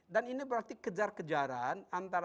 dan ini berarti kejar kejaran